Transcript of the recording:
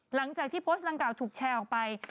หลังจากที่โพสต์ดังกล่าถูกแชร์ออกไป